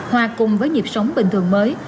hòa cùng với nhịp sống bình thường mới